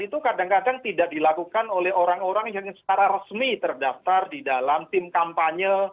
itu kadang kadang tidak dilakukan oleh orang orang yang secara resmi terdaftar di dalam tim kampanye